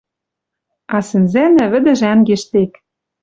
А сӹнзӓнӓ вӹдӹжӓнгеш тек.